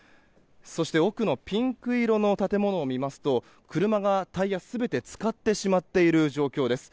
そして奥のピンク色の建物を見ますと車がタイヤが全て浸かってしまっている状況です。